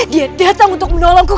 dia datang untuk menolongku